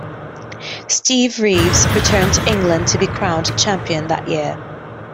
Steve Reeves returned to England to be crowned champion that year.